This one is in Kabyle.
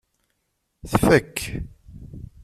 Tfak.